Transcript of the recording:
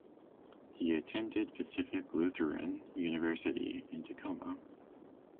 He attended Pacific Lutheran University in Tacoma.